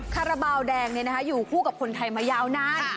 คาราบาลแดงอยู่คู่กับคนไทยมายาวนาน